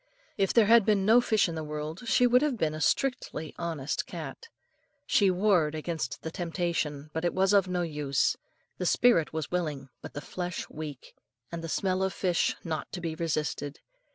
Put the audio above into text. If there had been no fish in the world, she would have been a strictly honest cat. She warred against the temptation, but it was of no use; the spirit was willing but the flesh weak, and the smell of fish not to be resisted.